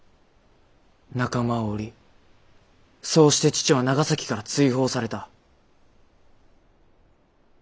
仲間を売りそうして父は長崎から追放された。